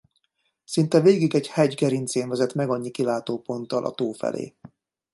Szinte végig egy hegy gerincén vezet megannyi kilátó ponttal a tó felé.